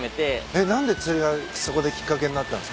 えっ何で釣りがそこできっかけになったんですか？